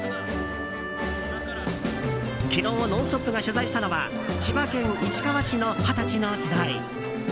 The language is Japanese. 昨日、「ノンストップ！」が取材したのは千葉県市川市の二十歳の集い。